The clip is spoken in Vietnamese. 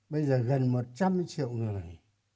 bây giờ gần một trăm linh triệu người